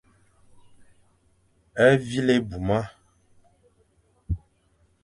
Vîle éimuma.